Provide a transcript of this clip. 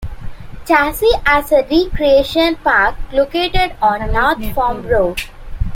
Chazy has a recreation park located on North Farm Road.